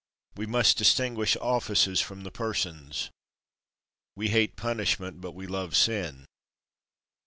We must distinguish offices from the persons. We hate punishment, but we love sin.